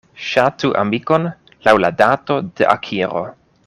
Ŝatu amikon laŭ la dato de akiro.